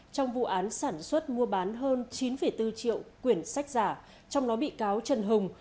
trong vụ án sản xuất mua bán hơn chín bốn triệu quyển sách giả trong đó bị cáo trần hùng